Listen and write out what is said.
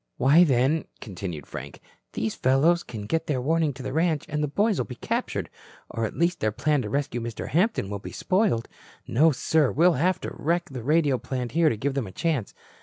"Why, then," continued Frank, "these fellows can get their warning to the ranch and the boys will be captured, or at least their plan to rescue Mr. Hampton will be spoiled. No, sir, we'll have to wreck the radio plant here to give them a chance.